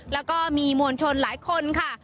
แล้วก็มีมวลชนหลายคนค่ะ